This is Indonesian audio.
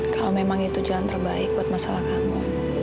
kalau memang itu jalan terbaik buat masalah kamu